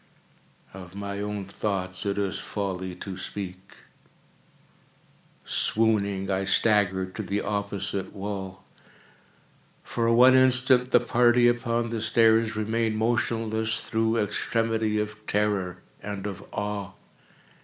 Of my own thoughts it is folly to speak. Swooning, I staggered to the opposite wall. For one instant the party upon the stairs remained motionless, through extremity of terror and of awe.